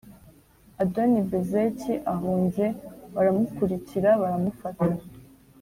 Adoni-Bezeki ahunze baramukurikira baramufata,